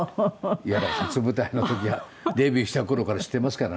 いやだから初舞台の時はデビューした頃から知っていますからね。